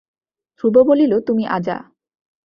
ধ্রুব বলিল, তুমি আজা।